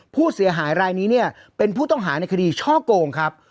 ผู้เสียหายรายนี้เนี่ยเป็นผู้ต้องหาในคดีช่อโกงครับ